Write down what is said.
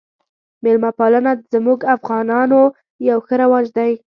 میلمه پالنه زموږ افغانانو یو ښه رواج دی